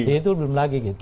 itu belum lagi